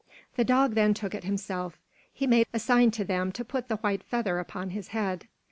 The Dog then took it himself. He made a sign to them to put the white feather upon his head.